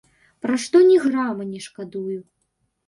Пра што ні грама не шкадую.